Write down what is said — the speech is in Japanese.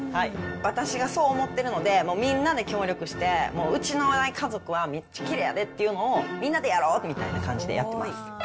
私がそう思ってるので、みんなで協力して、もううちの家族はめっちゃきれいやでっていうのを、みんなでやろうみたいな感じでやってます。